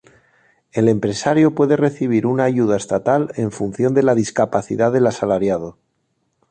El empresario puede recibir una ayuda estatal en función de la discapacidad del asalariado.